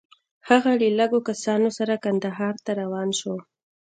هغه له لږو کسانو سره کندهار ته روان شو.